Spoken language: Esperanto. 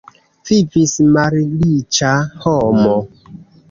Vivis malriĉa homo.